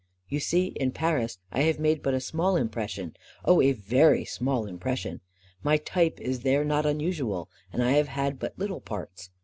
You see, in Paris, I have made but a small impres sion — oh, a very small impression! My type is there not unusual, and I have had but little parts.